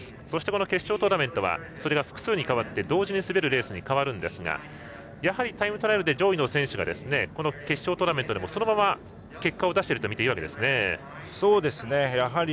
そして、決勝トーナメントはそれが複数に変わって同時に滑るレースに変わりますがやはりタイムトライアルで上位の選手がこの決勝トーナメントでもそのまま結果を出しているとみていいでしょうかね。